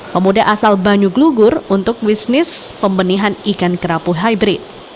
pemuda asal banyuglugur untuk bisnis pembenihan ikan kerapu hybrid